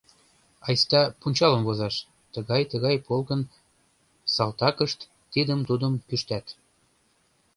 - Айста пунчалым возаш: тыгай-тыгай полкын салтакышт тидым-тудым кӱштат...